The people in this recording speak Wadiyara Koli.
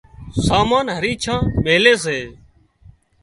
سامان هريڇان ميلي سي